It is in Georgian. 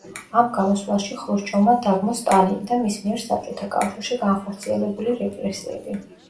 ამ გამოსვლაში ხრუშჩოვმა დაგმო სტალინი და მის მიერ საბჭოთა კავშირში განხორციელებული რეპრესიები.